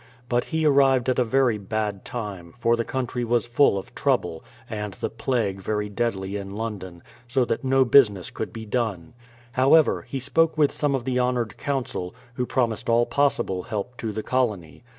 But he arrived at a very bad time, for the country was full of trouble, and the plague very deadly in London, so that no busi ness could be done. However, he spoke with some of the honoured Council, who promised all possible help to the colony.